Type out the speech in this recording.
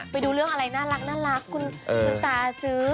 ไปดูเรื่องอะไรน่ารักคุณตาซื้อ